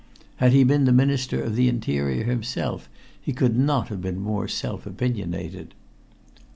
Had he been the Minister of the Interior himself, he could not have been more self opinionated.